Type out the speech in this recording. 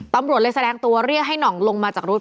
ตำรวจเลยแสดงตัวเรียกให้หน่องลงมาจากรถ